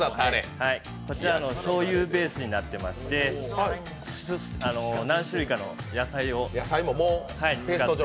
こちら、しょうゆベースになっていまして何種類かの野菜を使って。